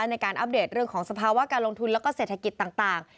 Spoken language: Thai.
ในการอัปเดตเรื่องของสภาวะการลงทุนแล้วก็เศรษฐกิจต่าง